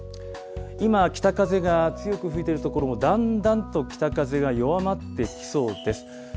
今、北風が強く吹いている所も、だんだんと北風が弱まってきそうです。